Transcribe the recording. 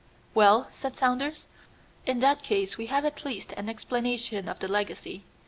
"Well," said Saunders, "in that case we have at least an explanation of the legacy.